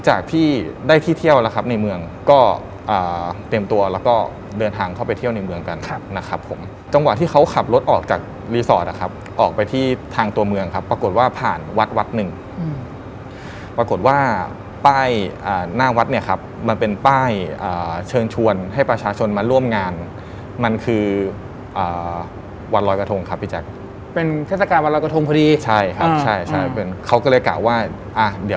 จากที่ได้ที่เที่ยวแล้วครับในเมืองก็เตรียมตัวแล้วก็เดินทางเข้าไปเที่ยวในเมืองกันครับนะครับผมจังหวะที่เขาขับรถออกจากรีสอร์ทนะครับออกไปที่ทางตัวเมืองครับปรากฏว่าผ่านวัดวัดหนึ่งปรากฏว่าป้ายหน้าวัดเนี่ยครับมันเป็นป้ายเชิญชวนให้ประชาชนมาร่วมงานมันคือวันรอยกระทงครับพี่แจ๊คเป็นเทศกาลวันรอยกระทงพอดีใช่ครับใช่ใช่เป็นเขาก็เลยกะว่าอ่าเดี๋ยว